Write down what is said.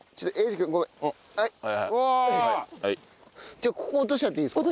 じゃあここ落としちゃっていいですか？